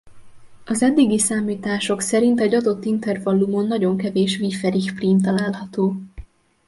Az eddigi számítások szerint egy adott intervallumon nagyon kevés Wieferich-prím található.